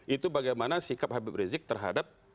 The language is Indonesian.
itu bagaimana sikap habib rizik terhadap